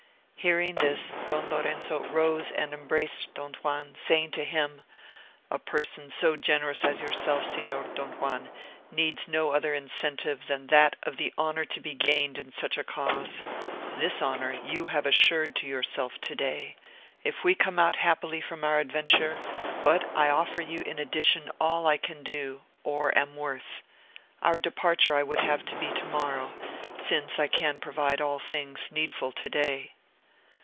Hearing this, Don Lorenzo rose and embraced Don Juan, saying to him, "A person so generous as yourself, Signor Don Juan, needs no other incentive than that of the honour to be gained in such a cause: this honour you have assured to yourself to day, if we come out happily from our adventure; but I offer you in addition all I can do, or am worth. Our departure I would have to be to morrow, since I can provide all things needful to day."